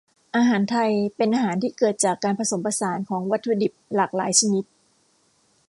อาหารไทย เป็นอาหารที่เกิดจากการผสมผสานของวัตถุดิบหลากหลายชนิด